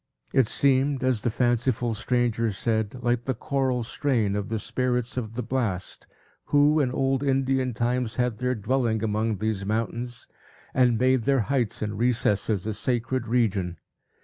It seemed, as the fanciful stranger said, like the choral strain of the spirits of the blast, who, in old Indian times, had their dwelling among these mountains, and made their heights and recesses a sacred region.